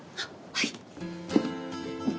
はい！